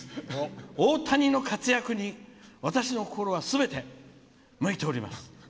大谷の活躍に私の心はすべて向いております。